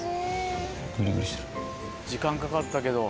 時間かかったけど。